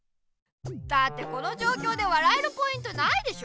だってこのじょうきょうで笑えるポイントないでしょ！